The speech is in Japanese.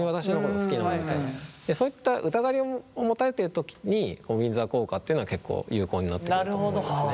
そういった疑いを持たれてる時にこのウィンザー効果っていうのは結構有効になってくると思いますね。